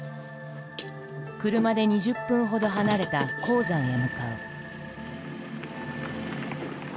車で２０分ほど離れた鉱山へ向かう。